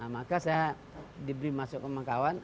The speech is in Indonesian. maka saya diberi masuk sama kawan